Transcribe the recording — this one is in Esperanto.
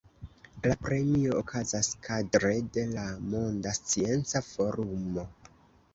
La premio okazas kadre de la Monda Scienca Forumo.